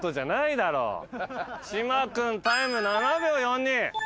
島君タイム７秒４２。